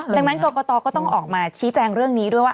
ดังนั้นกรกตก็ต้องออกมาชี้แจงเรื่องนี้ด้วยว่า